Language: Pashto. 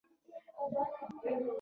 ملتپاله ښاپیرۍ د متین لغمانی لیکنه ده